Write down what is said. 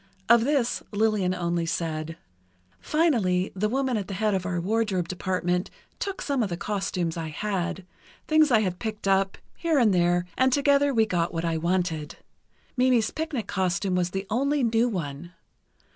Of this, Lillian only said: "Finally, the woman at the head of our wardrobe department took some of the costumes I had—things I had picked up, here and there—and together we got what I wanted. Mimi's picnic costume was the only new one.